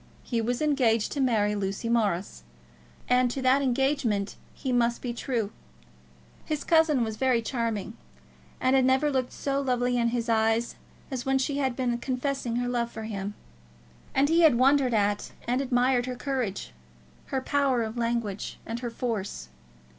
He was engaged to marry Lucy Morris, and to that engagement he must be true. His cousin was very charming, and had never looked so lovely in his eyes as when she had been confessing her love for him. And he had wondered at and admired her courage, her power of language, and her force.